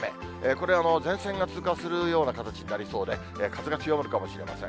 これは前線が通過するような形になりそうで、風が強まるかもしれません。